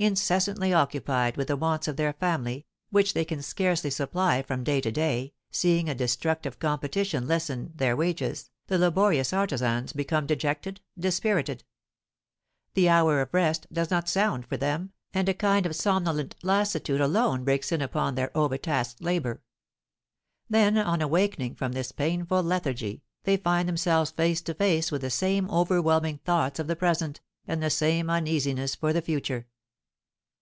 Incessantly occupied with the wants of their family, which they can scarcely supply from day to day, seeing a destructive competition lessen their wages, the laborious artisans become dejected, dispirited; the hour of rest does not sound for them, and a kind of somnolent lassitude alone breaks in upon their overtasked labour. Then, on awakening from this painful lethargy, they find themselves face to face with the same overwhelming thoughts of the present, and the same uneasiness for the future.